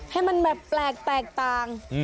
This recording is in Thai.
ให้มันแบบแปลกแตกต่าง